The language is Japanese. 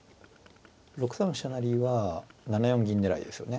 ６三飛車成は７四銀狙いですよね。